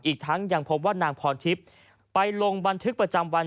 อีกทั้งยังพบว่านางพรทิพย์ไปลงบันทึกประจำวัน